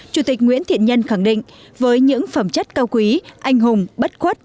chủ tịch nguyễn thiện nhân khẳng định với những phẩm chất cao quý anh hùng bất khuất